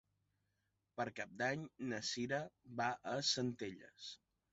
Per Cap d'Any na Sira va a Centelles.